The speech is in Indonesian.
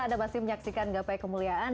anda masih menyaksikan gapai kemuliaan